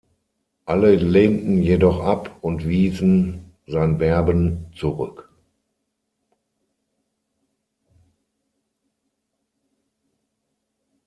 Alle lehnten jedoch ab und wiesen sein Werben zurück.